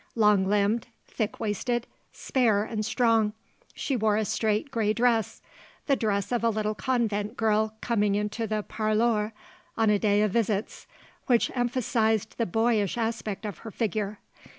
Long limbed, thick waisted, spare and strong, she wore a straight, grey dress the dress of a little convent girl coming into the parloir on a day of visits which emphasized the boyish aspect of her figure.